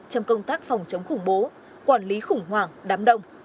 trong công tác phòng chống khủng bố quản lý khủng hoảng đám động